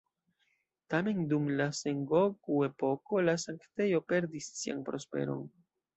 Tamen, dum la Sengoku-epoko la sanktejo perdis sian prosperon.